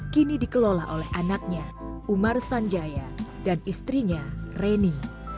kini dikelola oleh anaknya umar sanjaya dan istrinya reni